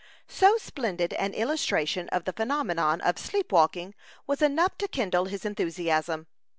So splendid an illustration of the phenomenon of sleepwalking was enough to kindle his enthusiasm.